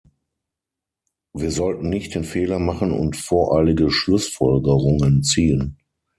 Wir sollten nicht den Fehler machen und voreilige Schlussfolgerungen ziehen.